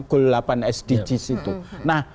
goal delapan sdgs itu nah